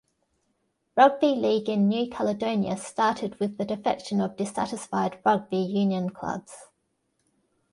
Rugby League in New Caledonia started with the defection of dissatisfied rugby union clubs.